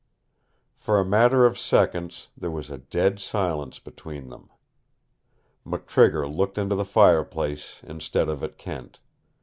For a matter of seconds there was a dead silence between them. McTrigger looked into the fireplace instead of at Kent.